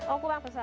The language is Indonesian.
oh kurang besar